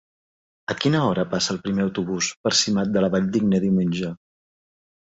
A quina hora passa el primer autobús per Simat de la Valldigna diumenge?